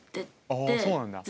あそうなんだ。